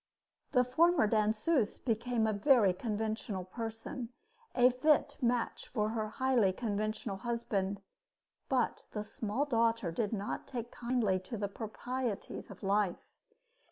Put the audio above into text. The former danseuse became a very conventional person, a fit match for her highly conventional husband; but the small daughter did not take kindly to the proprieties of life.